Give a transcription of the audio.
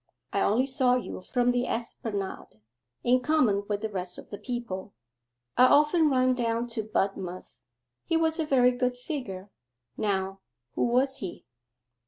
I only saw you from the Esplanade, in common with the rest of the people. I often run down to Budmouth. He was a very good figure: now who was he?